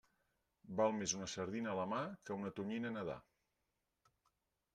Val més una sardina a la mà que una tonyina nedar.